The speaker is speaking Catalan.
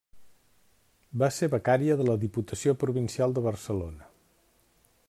Va ser becària de la Diputació Provincial de Barcelona.